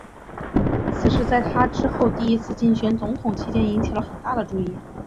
此事在他之后第一次竞选总统期间引起了很大的注意。